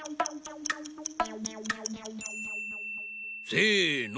せの。